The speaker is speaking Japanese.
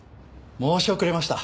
申し遅れました。